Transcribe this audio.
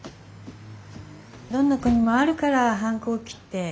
どんな子にもあるから反抗期って。